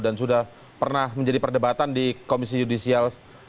dan sudah pernah menjadi perdebatan di komisi judisial